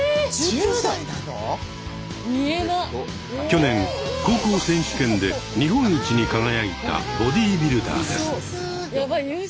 去年高校選手権で日本一に輝いたボディビルダーです。